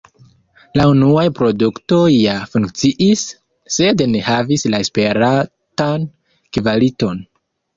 La unuaj produktoj ja funkciis, sed ne havis la esperatan kvaliton.